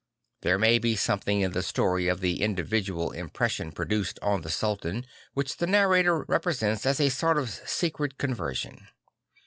There may be sOIIlething in the story of the individual impres sion produced on the Sultan, which the narrator represents as a sort of secret conversion.